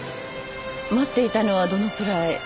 待っていたのはどのくらい？